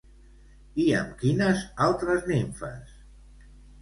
I amb quines altres nimfes?